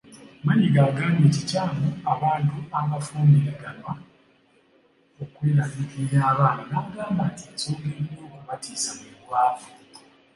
Mayiga agambye kikyamu abantu abafumbiriganwa okweraliikirira abaana n'agamba nti ensonga erina okubatiisa bwe bwavu.